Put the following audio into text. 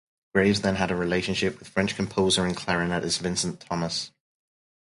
Graves then had a relationship with French composer and clarinetist Vincent Thomas.